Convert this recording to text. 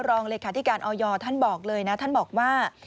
รองเลขาธิการออยท่านบอกเลยนะท่านบอกว่า